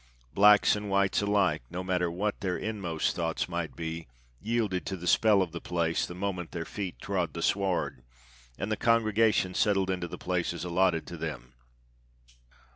Blacks and whites alike, no matter what their inmost thoughts might be, yielded to the spell of the place the moment their feet trod the sward and the congregation settled into the places allotted to them.